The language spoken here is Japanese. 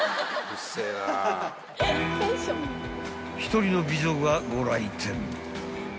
［１人の美女がご来店］